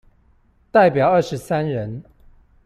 代表二十三人